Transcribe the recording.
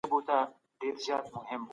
دا مواد د بدن حجرې ساتي.